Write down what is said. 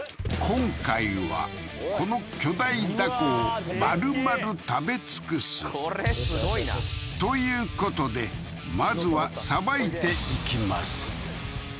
今回はこの巨大ダコを丸々食べ尽くすこれすごいなということでまずは捌いていきます